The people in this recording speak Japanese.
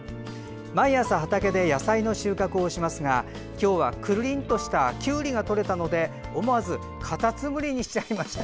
毎朝、畑で野菜の収穫をしますが今日はくるりんとしたきゅうりがとれたので思わずかたつむりにしちゃいました。